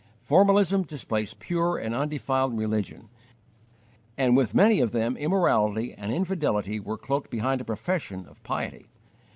Formalism displaced pure and undefiled religion, and with many of them immorality and infidelity were cloaked behind a profession of piety.